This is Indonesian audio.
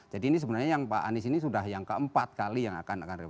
jadi ini sebenarnya yang pak anies ini sudah yang keempat kali yang akan